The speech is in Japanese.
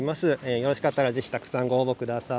よろしかったらぜひたくさんご応募ください。